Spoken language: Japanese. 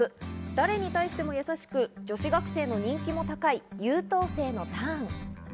誰に対しても優しく、女子学生の人気も高い優等生のターン。